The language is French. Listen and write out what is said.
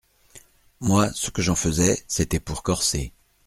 Moi, ce que j'en faisais, c'était pour corser.